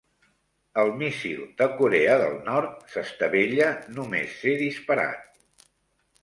El míssil de Corea del Nord s'estavella només ser disparat